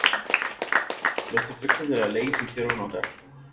Los efectos de la ley se hicieron notar.